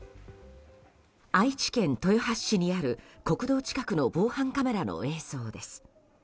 愛知県豊橋市にある国道近くの防犯カメラの映像です。